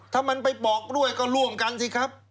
ถ้ามันไปบอกด้วยก็ร่วมกันสิครับ